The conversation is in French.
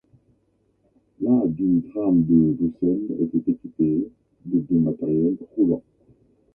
La du tram de Bruxelles était équipée de deux matériels roulants.